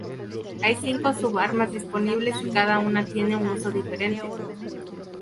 Hay cinco sub-armas disponibles y cada una tiene un uso diferente.